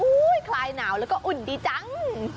คลายหนาวแล้วก็อุ่นดีจัง